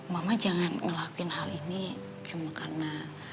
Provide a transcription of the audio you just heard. mama jangan ngelakuin hal ini cuma karena